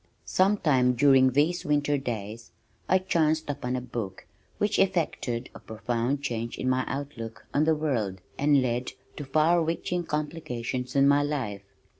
Sometime during these winter days, I chanced upon a book which effected a profound change in my outlook on the world and led to far reaching complications in my life.